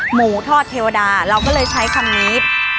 หมูทอดเทวดาเราก็เลยใช้คำนี้